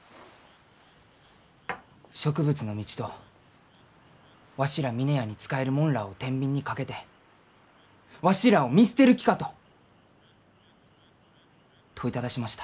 植物の道とわしら峰屋に仕える者らあをてんびんにかけて「わしらあを見捨てる気か？」と問いただしました。